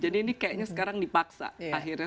jadi ini kayaknya sekarang dipaksa akhirnya